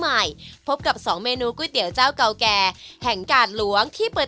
ใหม่พบกับสองเมนูก๋วยเตี๋ยวเจ้าเก่าแก่แห่งกาดหลวงที่เปิด